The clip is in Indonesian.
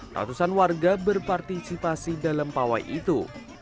ratusan warga berpartisipasi dalam pawai itu